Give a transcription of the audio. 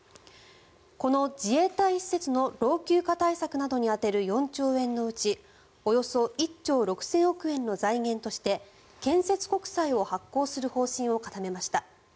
この自衛隊施設の老朽化対策などに充てる４兆円のうちおよそ１兆６０００億円の財源として建設国債を発行する方針を固めました。